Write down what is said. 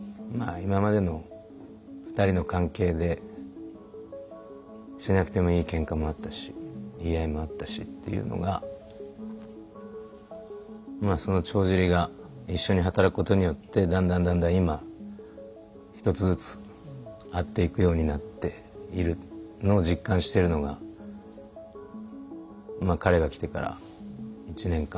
今までの２人の関係でしなくてもいいけんかもあったし言い合いもあったしっていうのがその帳尻が一緒に働くことによってだんだんだんだん今一つずつ合っていくようになっているのを実感してるのが彼が来てから１年間？